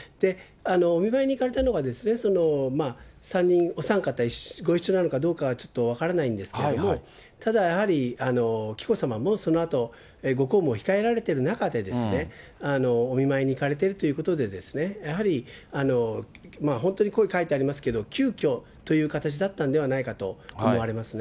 お見舞いに行かれたのが、３人、お三方ご一緒なのかどうかはちょっと分からないんですけれども、ただやはり、紀子さまもそのあと、ご公務を控えられている中でお見舞いに行かれてるということで、やはり本当にこういうふうに書いてありますけれども、急きょという形だったのではないかと思われますね。